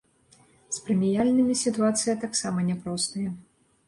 З прэміяльнымі сітуацыя таксама няпростая.